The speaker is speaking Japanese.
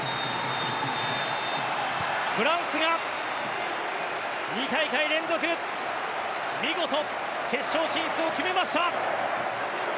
フランスが２大会連続見事決勝進出を決めました。